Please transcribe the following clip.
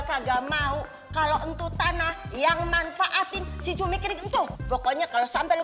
kagak mau kalau untuk tanah yang manfaatin si cumi kering untung pokoknya kalau sampai